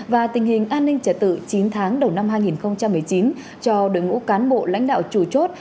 và tình hình an ninh trả tự chín tháng đầu năm hai nghìn một mươi chín cho đội ngũ cán bộ lãnh đạo chủ chốt